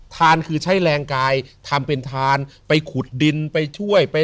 ทานคือใช้แรงกายทำเป็นทานไปขุดดินไปช่วยไป